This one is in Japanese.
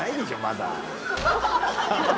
まだ。